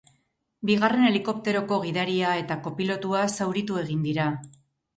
Bigarren helikopteroko gidaria eta kopilotua zauritu egin dira.